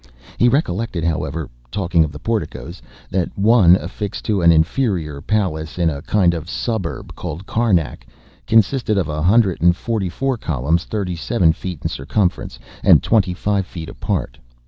He recollected, however, (talking of the porticoes,) that one affixed to an inferior palace in a kind of suburb called Carnac, consisted of a hundred and forty four columns, thirty seven feet in circumference, and twenty five feet apart.